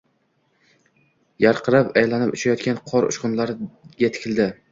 Yarqirab aylanib uchayotgan qor uchqunlarigatikildi.